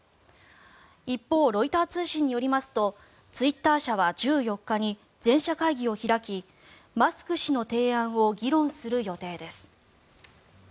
一方、ロイター通信によりますとツイッター社は１４日に全社会議を開きマスク氏の提案を議論する予定です。